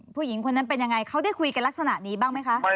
ผู้หญิงคนนั้นเป็นยังไงเขาได้คุยกันลักษณะนี้บ้างไหมคะ